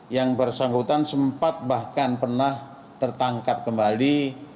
yang bersangkutan sempat bahkan pernah tertangkap kembali